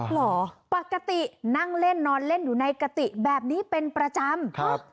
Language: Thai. เหรอปกตินั่งเล่นนอนเล่นอยู่ในกติแบบนี้เป็นประจำครับ